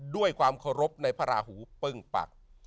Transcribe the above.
ด้วยความเคารพในพระราหูปึ้งปัก